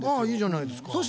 いいじゃないですか。